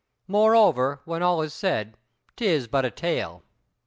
Moreover, when all is said, 'tis but a tale."